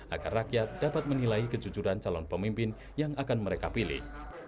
agar rakyat dapat menilai kejujuran calon pemimpin yang akan mereka pilih